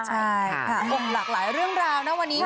ใช่ค่ะหลากหลายเรื่องราวนะวันนี้